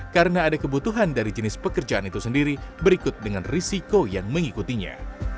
karena ada kebutuhan dari jenis pekerjaan itu sendiri berikut dengan risiko yang mengikutinya